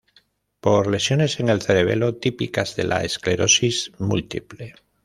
Por lesiones en el cerebelo típicas de la esclerosis múltiple.